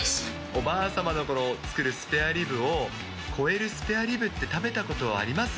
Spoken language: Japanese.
おばあ様の作るスペアリブを超えるスペアリブって食べたことあります？